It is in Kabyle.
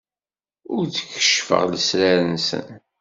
Ur d-keccfeɣ lesrar-nsen.